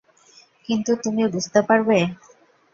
কিন্তু তুমি বুঝতে পারবে।